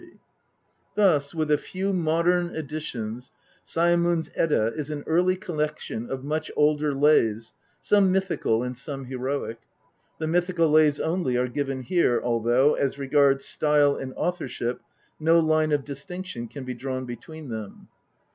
in Thus, with a few modern additions, Saemund's Edda is an early collection of much older lays, some mythical and some heroic : the mythical lays only are given here, although, as regards style and authorship, no line of distinction can be drawn between them.